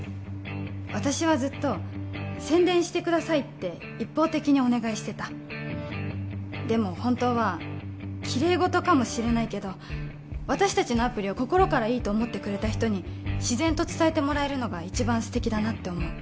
私はずっと宣伝してくださいって一方的にお願いしてたでも本当はきれいごとかもしれないけど私達のアプリを心からいいと思ってくれた人に自然と伝えてもらえるのが一番ステキだなって思う